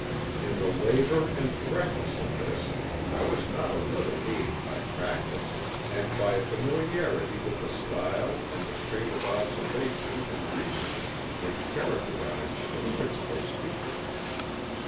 "In the labor and correctness of this, I was not a little aided by practice, and by a familiarity with the style and the train of observation and reasoning which characterized the principal speakers.